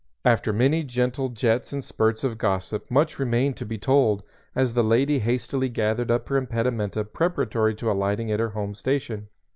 After many gentle jets and spurts of gossip much remained to be told, as the lady hastily gathered up her impedimenta preparatory to alighting at her home station.